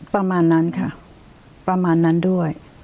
ประมาณนั้นค่ะประมาณนั้นด้วย